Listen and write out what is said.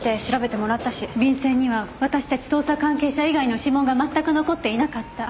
便箋には私たち捜査関係者以外の指紋が全く残っていなかった。